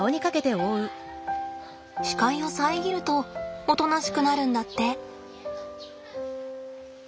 視界を遮るとおとなしくなるんだって。